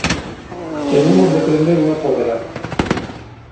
Tenemos de prender una foguera.